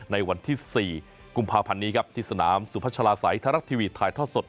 ในวันที่๔กุมภาพันธ์นี้ครับที่สนามสุพัชลาศัยไทยรัฐทีวีถ่ายทอดสด